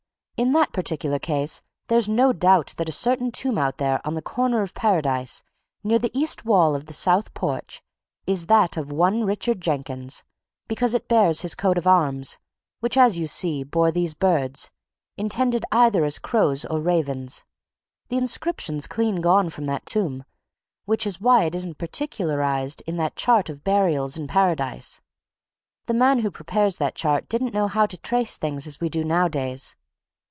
In that particular case, there's no doubt that a certain tomb out there in the corner of Paradise, near the east wall of the south porch, is that of one Richard Jenkins, because it bears his coat of arms, which, as you see, bore these birds intended either as crows or ravens. The inscription's clean gone from that tomb which is why it isn't particularized in that chart of burials in Paradise the man who prepared that chart didn't know how to trace things as we do nowadays.